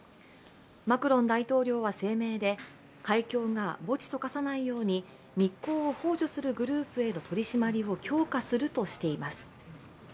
マクロン大統領は声明で海峡が墓地と化さないように密航をほう助するグループへの取り締まりを強化するとしています。